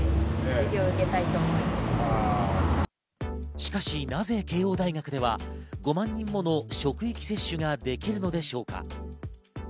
しかしなぜ慶應大学では５万人もの職域接種ができるのでしょうか。